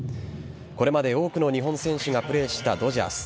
これまで多くの日本選手がプレーしたドジャース。